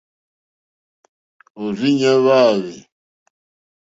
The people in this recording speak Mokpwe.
Òrzìɲɛ́ hwá áhwè.